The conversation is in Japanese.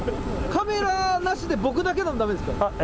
カメラなしで僕だけでもだめですか。